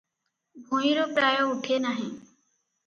ଭୂଇଁରୁ ପ୍ରାୟ ଉଠେ ନାହିଁ ।